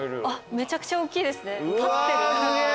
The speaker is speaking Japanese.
めちゃくちゃおっきいですね。